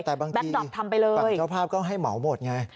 แต่บางทีเจ้าภาพก็ให้เหมาหมดไง